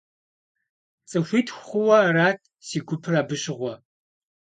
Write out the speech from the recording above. ЦӀыхуитху хъууэ арат си гупыр абы щыгъуэ.